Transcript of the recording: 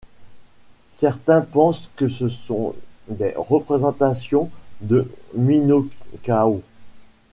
Certains pensent que ce sont des représentations de Minhocão.